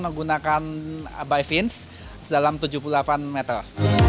saya akan bay vins dalam tujuh puluh delapan meter